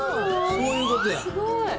そういうことや。